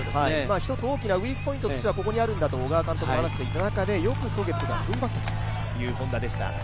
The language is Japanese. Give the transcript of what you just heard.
１つ大きなウイークポイントはここにあるんだと小川監督が話していた中でよくソゲットが踏ん張ったというＨｏｎｄａでした。